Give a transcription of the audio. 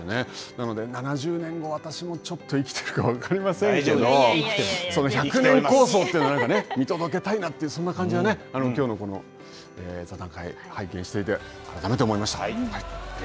なので、７０年後、私もちょっと生きているか分かりませんが、その百年構想というの、見届けたいなと、そんな感じはきょうのこの座談会、拝見していて改めて思いました。